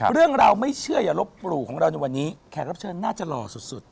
เรื่องราวไม่เชื่ออย่าลบหลู่ของเราในวันนี้แขกรับเชิญน่าจะหล่อสุด